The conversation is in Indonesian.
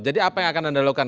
jadi apa yang akan anda lakukan